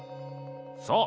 そう。